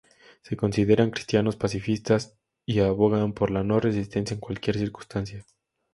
Se consideran cristianos pacifistas y abogan por la no resistencia en cualquier circunstancia.